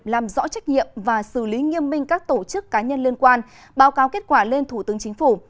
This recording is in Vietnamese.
làm rõ trách nhiệm và xử lý nghiêm minh các tổ chức cá nhân liên quan báo cáo kết quả lên thủ tướng chính phủ